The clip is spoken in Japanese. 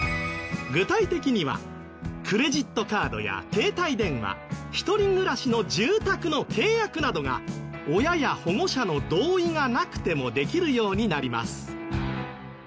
具体的にはクレジットカードや携帯電話一人暮らしの住宅の契約などが親や保護者の同意がなくてもできるようになります。